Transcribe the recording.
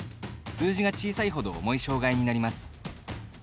数字が小さいほど重い障がいになります。